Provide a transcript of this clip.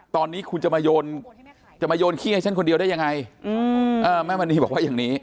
ตอนนี้คุณจะมาจะมาโยนขี้ให้ฉันคนเดียวได้ยังไงแม่มณีบอกว่าอย่างนี้